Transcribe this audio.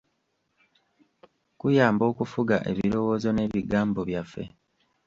Kuyamba okufuga ebirowoozo n'ebigambo byaffe.